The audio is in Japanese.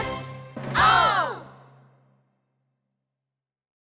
オー！